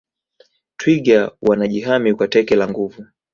twiga wanajihami kwa teke la nguvu